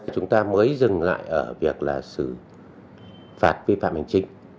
chúng ta mới dừng lại ở việc là xử phạt vi phạm hành chính